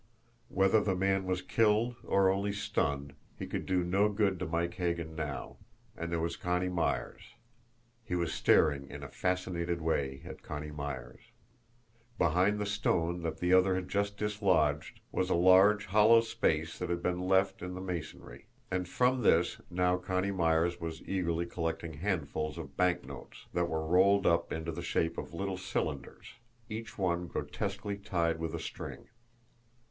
Whether the man was killed or only stunned, he could do no good to Mike Hagan now, and there was Connie Myers he was staring in a fascinated way at Connie Myers. Behind the stone that the other had just dislodged was a large hollow space that had been left in the masonry, and from this now Connie Myers was eagerly collecting handfuls of banknotes that were rolled up into the shape of little cylinders, each one grotesquely tied with a string.